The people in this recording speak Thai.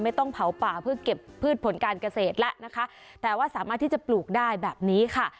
ต้องเผาป่าเพื่อเก็บพืชผลการเกษตรแล้วนะคะแต่ว่าสามารถที่จะปลูกได้แบบนี้ค่ะ